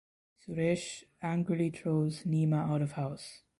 Suresh angrily throws Nima out of house.